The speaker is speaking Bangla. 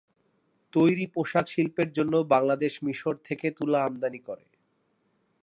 তৈরি পোশাক শিল্পের জন্য বাংলাদেশ মিশর থেকে তুলা আমদানি করে।